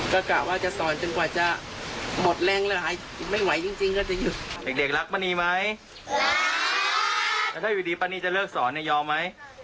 ก็กล่าวว่าจะสอนจนกว่าจะหมดแรงเวลา